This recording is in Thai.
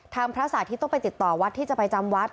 พระสาธิตต้องไปติดต่อวัดที่จะไปจำวัด